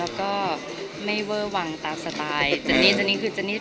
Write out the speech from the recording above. แล้วก็ไม่ได้ทำอะไรที่เดือดนอนใคร